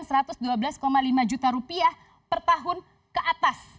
rp satu ratus dua belas lima juta rupiah per tahun ke atas